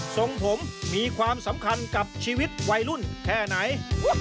ทรงผมมีความสำคัญกับชีวิตวัยรุ่นแค่ไหน